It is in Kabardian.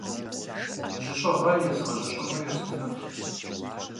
Жьыщӏыгъэ езгъэжьыщӏыну естынут.